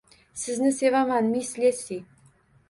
Sizni sevaman, miss Lesli